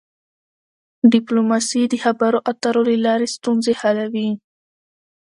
ډيپلوماسي د خبرو اترو له لاري ستونزي حلوي.